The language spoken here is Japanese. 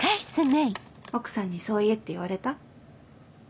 奥さんにそう言えって言われた？